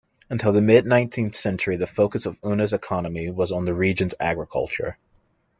Until the mid-nineteenth century the focus of Unna's economy was on the region's agriculture.